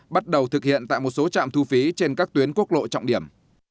bắt đầu thực hiện tại một số trạm thu phí trên các tuyến quốc lộ trọng điểm